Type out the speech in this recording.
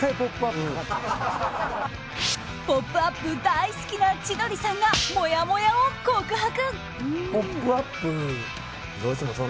大好きな千鳥さんが、もやもやを告白。